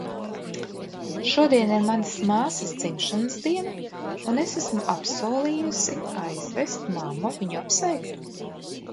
Šodien ir manas māsas dzimšanas diena, un es esmu apsolījusi aizvest mammu viņu apsveikt.